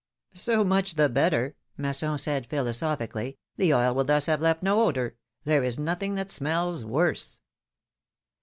^^So much the better," Masson said, philosophically, the oil will thus have left no odor ! There is nothing that smells worse."